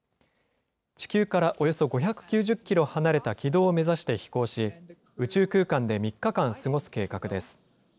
地球からおよそ５９０キロ離れた軌道を目指して飛行し、宇宙空間で３日間、過ごす計画です。